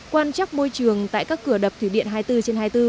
quan chắc môi trường tại các cửa đập thủy điện hai mươi bốn trên hai mươi bốn